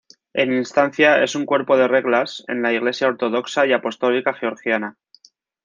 En instancia es un cuerpo de reglas en la Iglesia Ortodoxa y Apostólica Georgiana.